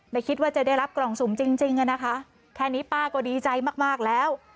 ไม่คิดว่าจะได้รับกล่องสุ่มจริงจริงอะนะคะแค่นี้ป้าก็ดีใจมากมากแล้ว